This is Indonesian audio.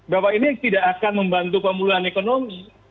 bahwa ini tidak akan membantu pemulihan ekonomi